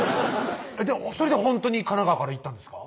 それでほんとに神奈川から行ったんですか？